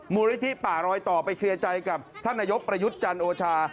มูลนิธิป่ารอยต่อไปเคลียร์ใจกับท่านนายกประยุทธ์จันทร์โอชา